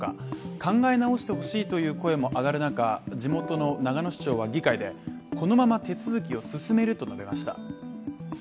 考え直してほしいという声も上がる中、地元の長野市長は議会でこのまま手続きを進めると述べました。